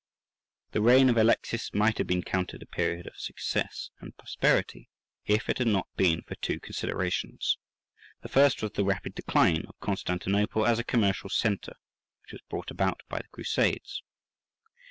The reign of Alexius might have been counted a period of success and prosperity if it had not been for two considerations. The first was the rapid decline of Constantinople as a commercial centre, which was brought about by the Crusades.